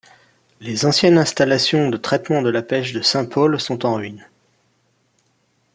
Les anciennes installations de traitement de la pêche de Saint-Paul sont en ruines.